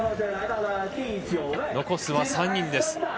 残すは３人です。